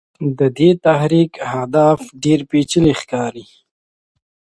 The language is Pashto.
د دې تحریک اهداف ډېر پېچلي ښکاري.